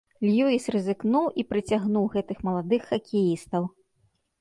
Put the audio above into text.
Льюіс рызыкнуў і прыцягнуў гэтых маладых хакеістаў.